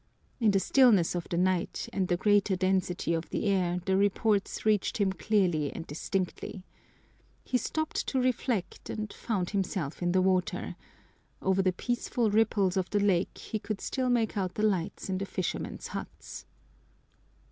In the stillness of the night and the greater density of the air the reports reached him clearly and distinctly. He stopped to reflect and found himself in the water over the peaceful ripples of the lake he could still make out the lights in the fishermen's huts.